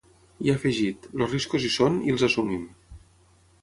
I ha afegit: Els riscos hi són i els assumim.